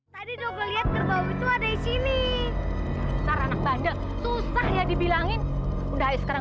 tadi dogel lihat kerbau itu ada di sini susahnya dibilangin udah sekarang